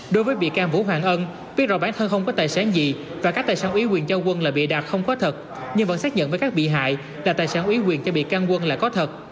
đối với bị can vũ hoàng ân biết rõ bản thân không có tài sản gì và các tài sản ý quyền cho quân là bị đạt không có thật nhưng vẫn xác nhận với các bị hại là tài sản uyến quyền cho bị can quân là có thật